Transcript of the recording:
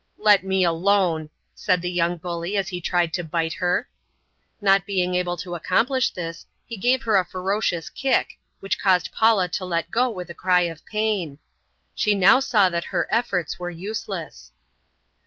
"Let me alone!" said the young bully as he tried to bite her. Not being able to accomplish this, he gave her a ferocious kick, which caused Paula to let go with a cry of pain. She now saw that her efforts were useless.